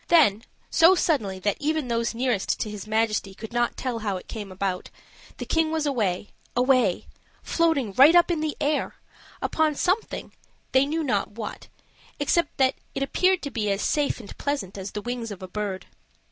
Then, so suddenly that even those nearest to his Majesty could not tell how it came about, the King was away away floating right up in the air upon something, they knew not what, except that it appeared to be as safe and pleasant as the wings of a bird.